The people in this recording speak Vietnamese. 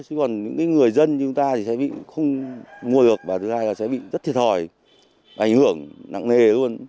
nhưng còn những người dân chúng ta sẽ không mua được và sẽ bị rất thiệt hỏi ảnh hưởng nặng nề luôn